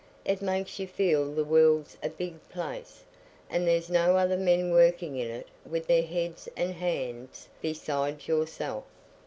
It makes you feel the world's a big place, and there's other men working in it with their heads and hands besides yourself."